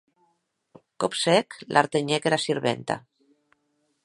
Còp sec, l'artenhec era sirventa.